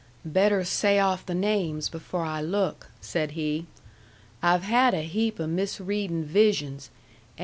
"Better say off the names before I look," said he. "I've had a heap o' misreading visions.